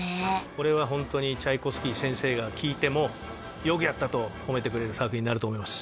これはホントにチャイコフスキー先生が聞いてもよくやったと褒めてくれる作品になると思います